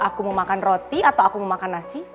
aku mau makan roti atau aku mau makan nasi